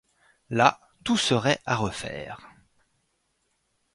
Là, tout serait à refaire